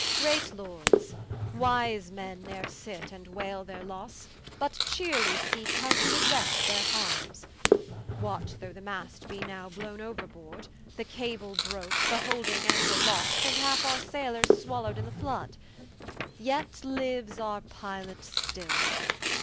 Qu. Great Lords, wise men ne'r sit and waile their losse, But chearely seeke how to redresse their harmes. What though the Mast be now blowne ouer boord, The Cable broke, the holding Anchor lost, And halfe our Saylors swallow'd in the flood? Yet liues our Pilot still.